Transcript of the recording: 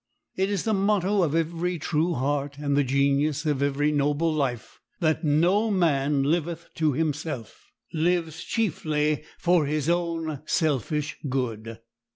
It is the motto of every true heart and the genius of every noble life that no man liveth to himself—lives chiefly for his own selfish good.